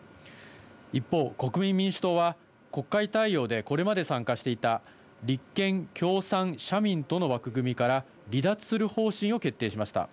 一方、国民民主党は、国会対応でこれまで参加していた立憲、共産、社民との枠組みから離脱する方針を決定しました。